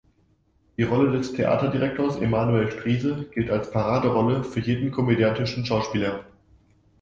Die Rolle des Theaterdirektors Emanuel Striese gilt als Paraderolle für jeden komödiantischen Schauspieler.